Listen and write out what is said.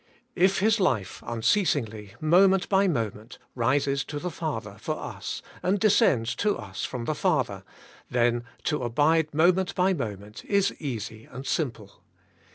If His life unceasingly, moment by moment, rises to the Father for us, and descends to us from the Father, then to AS THE SURETY OF THE COVENANT 229 abide moment by moment is easy and simple.